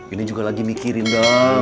ini juga lagi mikirin dong